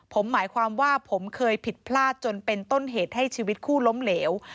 ผมหมายความว่าผมเคยผิดพลาดจนเป็นต้นเหตุให้ชีวิตคู่ล้มเหลว